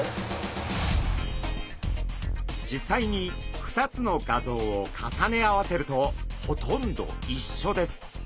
実際に２つの画像を重ね合わせるとほとんどいっしょです。